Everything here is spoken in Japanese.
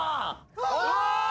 うわ！